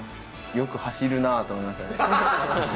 よく走るなって思いましたね。